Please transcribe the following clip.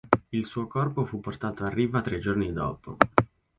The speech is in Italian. Il suo corpo fu portato a riva tre giorni dopo.